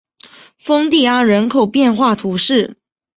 丰蒂安人口变化图示